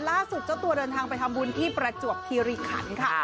ล่าสุดเจ้าตัวเดินทางไปทำบุญที่ประจวกภิริขันธ์ค่ะ